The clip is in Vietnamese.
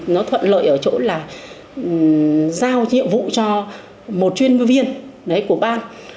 nó thuận lợi ở chỗ là giao nhiệm vụ cho một chuyên viên của ban